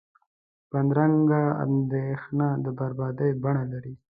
بدرنګه اندیشه د بربادۍ بڼه لري